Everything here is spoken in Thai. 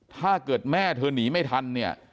ถ้าเกิดแม่เธอหนีไม่ทันเนี่ย